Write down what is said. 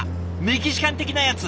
メキシカン的なやつ！